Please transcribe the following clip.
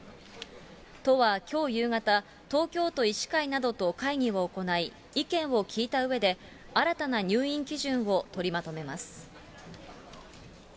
都はきょう夕方、東京都医師会などと会議を行い、意見を聞いたうえで、新たな入院基準を取りまとめます。